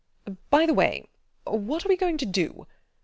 By the way, what are we going to do?